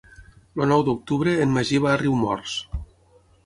El nou d'octubre en Magí va a Riumors.